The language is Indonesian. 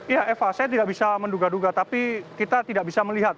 ya eva saya tidak bisa menduga duga tapi kita tidak bisa melihat